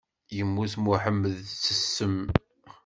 Yemmut Muḥemmed s ssem.